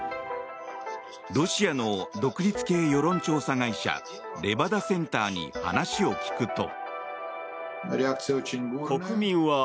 ロシアの独立系世論調査会社レバダ・センターに話を聞くと。